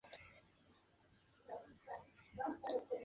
Al norte y al este de la sierra transcurre el río Nora.